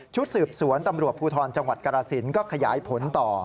สืบสวนตำรวจภูทรจังหวัดกรสินก็ขยายผลต่อ